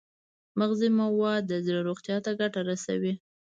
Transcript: مغذي مواد د زړه روغتیا ته ګټه رسوي.